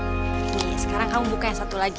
oke sekarang kamu buka yang satu lagi